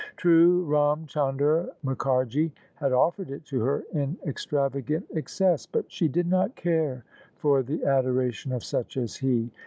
True, Ram Chandar Muk harji had offered it to her in extravagant excess: but she did not care for the adoration of such as he.